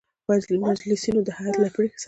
مجلسینو د هیئت له پرېکړې سـره